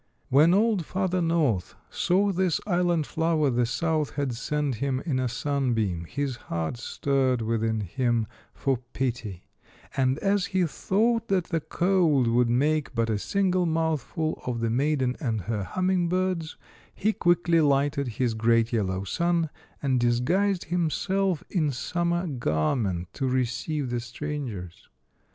When old Father North saw this island flower the South had sent him in a sunbeam, his heart stirred within him for pity ; and as he thought that the cold would make but a single mouthful of the maiden and her humming birds, he quickly lighted his great yellow sun, and disguised himself in sum mer's garment to receive the strangers.